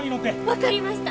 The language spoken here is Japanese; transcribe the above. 分かりました！